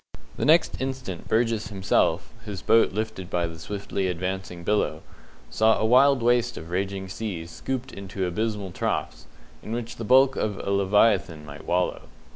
The next instant Burgess himself his boat lifted by the swiftly advancing billow saw a wild waste of raging seas scooped into abysmal troughs, in which the bulk of a leviathan might wallow.